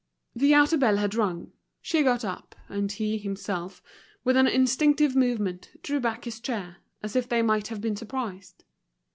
The outer bell had rung. She got up, and he, himself, with an instinctive movement, drew back his chair, as if they might have been surprised.